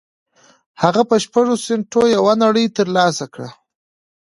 هغه په شپږو سينټو يوه نړۍ تر لاسه کړه.